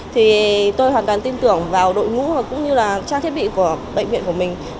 thì tôi hoàn toàn tin tưởng vào đội ngũ và cũng như là trang thiết bị của bệnh viện của mình